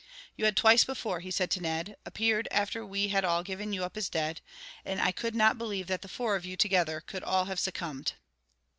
"You had twice before," he said to Ned, "appeared after we had all given you up as dead; and I could not believe that the four of you, together, could all have succumbed.